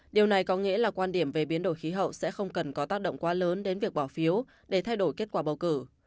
điều này có nghĩa là quan điểm về biến đổi khí hậu sẽ không cần có tác động quá lớn đến việc bỏ phiếu để thay đổi kết quả bầu cử